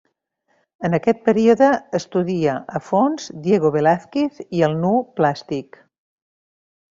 En aquest període, estudia a fons Diego Velázquez i el nu plàstic.